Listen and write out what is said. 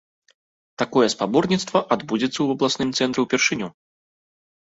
Такое спаборніцтва адбудзецца ў абласным цэнтры ўпершыню.